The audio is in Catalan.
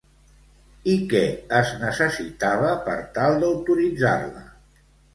I què es necessitava per tal d'autoritzar-la?